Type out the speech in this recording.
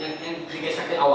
yang dikesek di awal